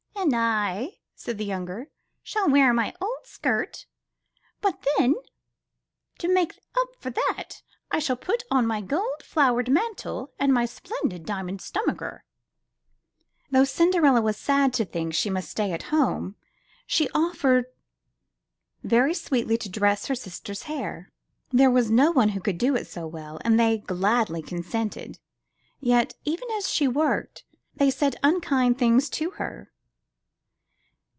*'And I," said the younger, ''shall wear my old skirt, but then to make up for that, I shall put on my gold flowered mantle and my splendid diamond stomacher." At last the happy day came. Though Cinderella was sad to think she must stay at home, she offered very sweetly to dress her sisters' hair. There was no one who could do it so well, and they gladly consented. Yet, even as she worked, they said unkind things to her.